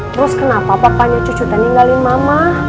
terus kenapa papanya cucu tinggalin mama